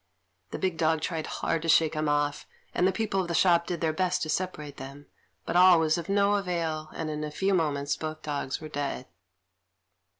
The big dog tried hard to shake him off, and the people of the shop did their best to separate them, but all was of no avail, and in a few moments both dogs were dead.